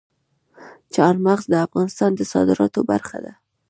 چار مغز د افغانستان د صادراتو برخه ده.